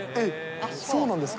そうなんですか。